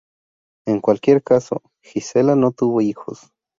En cualquier caso, Gisela no tuvo hijos.